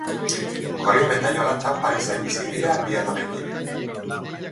Oriol eta Yolanda Parisen bizi dira bi alabekin.